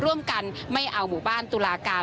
ร่วมกันไม่เอาหมู่บ้านตุลาการ